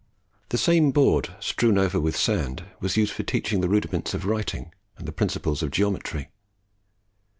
The same board, strewn over with sand, was used for teaching the rudiments of writing and the principles of geometry.